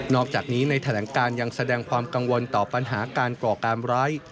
อกจากนี้ในแถลงการยังแสดงความกังวลต่อปัญหาการก่อการร้าย